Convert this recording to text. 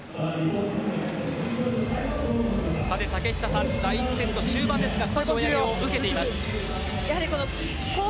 竹下さん、第１セット終盤ですが追い上げを受けています。